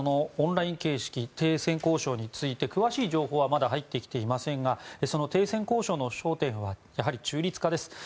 オンライン形式の停戦交渉について詳しい情報はまだ入ってきていませんがその停戦交渉の焦点はやはり中立化です。